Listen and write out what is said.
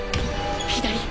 左！